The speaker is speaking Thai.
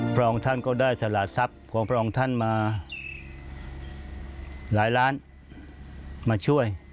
พระองค์ท่านก็ได้สละทรัพย์ของพระองค์ท่านมาหลายล้านมาช่วย